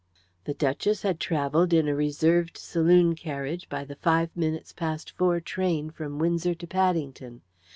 The duchess had travelled in a reserved saloon carriage by the five minutes past four train from Windsor to Paddington.